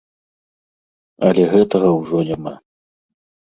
Але гэтага ўжо няма.